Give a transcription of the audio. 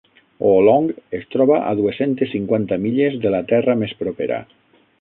Oolong es trobava a dues-centes cinquanta milles de la terra més propera.